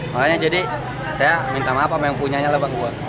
makanya jadi saya minta maaf sama yang punya lah bang